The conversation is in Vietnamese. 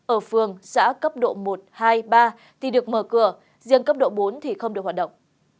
ở phường xã cấp độ một hai ba thì được mở cửa riêng cấp độ bốn thì không được hoạt động